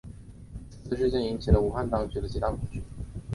此次事件引起了武汉当局的极大恐慌。